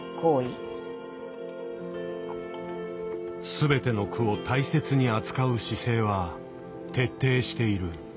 全ての句を大切に扱う姿勢は徹底している。